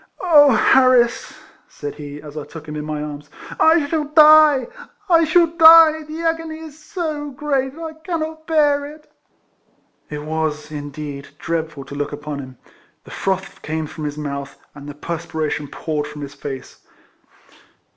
'* Oh ! Harris !" said he, as I took him in my arms, " I shall die ! I shall die ! The agony is so great that I cannot bear it." It was, indeed, dreadful to look upon him ; the froth came from his mouth, and the perspiration poured from his face.